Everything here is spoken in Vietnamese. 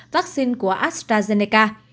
vắc xin của astrazeneca